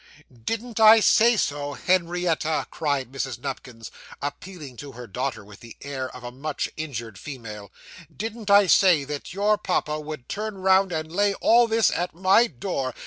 'Didn't I say so, Henrietta?' cried Mrs. Nupkins, appealing to her daughter with the air of a much injured female. 'Didn't I say that your papa would turn round and lay all this at my door?